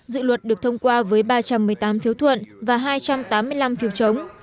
dự luật được thông qua với ba trăm một mươi tám phiếu thuận và hai trăm tám mươi năm phiếu chống